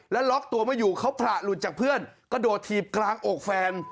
แล้วล็อกตัวไม่อยู่เขาผละหลุดจากเพื่อนกระโดดถีบกลางอกแฟน